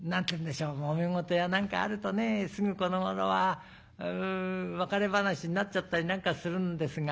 もめ事や何かあるとねすぐこのごろは別れ話になっちゃったり何かするんですが。